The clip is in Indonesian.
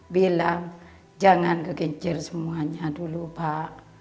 bilang jangan kegencir semuanya dulu pak